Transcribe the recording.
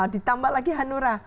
ditambah lagi hanura